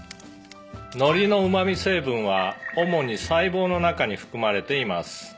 「海苔のうま味成分は主に細胞の中に含まれています」